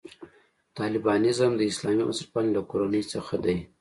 طالبانیزم د اسلامي بنسټپالنې له کورنۍ څخه دی.